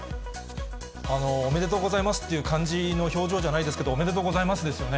おめでとうございますという感じの表情じゃないですけど、おめでとうございますですよね。